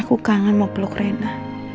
aku kangen mau peluk reina